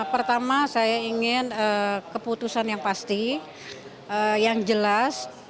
pertama saya ingin keputusan yang pasti yang jelas